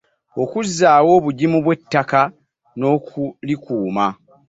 Okuzzaawo obugimu bw’ettaka n’okulikuuma.